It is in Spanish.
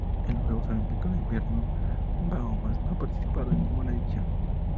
En los Juegos Olímpicos de Invierno Bahamas no ha participado en ninguna edición.